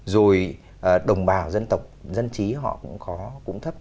rồi đồng bào dân tộc dân trí họ cũng có cũng thấp